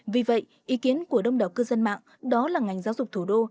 vì vậy ý kiến của đông đảo cư dân mạng đó là ngành giáo dục thủ đô